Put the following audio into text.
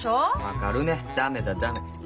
分かるねダメだダメ。